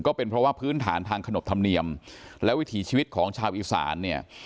ก็เป็นเพราะว่าพื้นฐานทางขนบธรรมเนียมและวิถีชีวิตของชาวอีสานเนี่ย